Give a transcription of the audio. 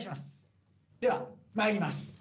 ではまいります。